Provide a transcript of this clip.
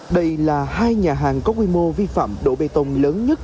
đây là hai nhà hàng có quy mô vi phạm độ bê tông lớn nhất